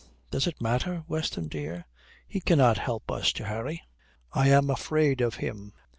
Does it matter, Weston, dear? He cannot help us to Harry." "I am afraid of him.